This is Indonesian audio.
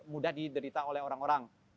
mudah diderita oleh orang orang